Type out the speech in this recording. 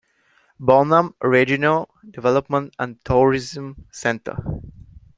Bonham Regional Development and Tourism Center.